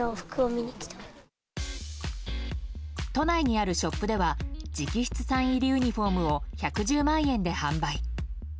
都内にあるショップでは直筆サイン入りユニホームを１１０万円で販売。